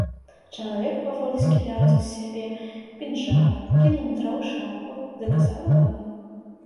Чалавек паволі скідаў з сябе пінжак, кінуў на траву шапку, закасаў рукавы.